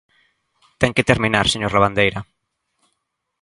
Ten que terminar, señor Lavandeira.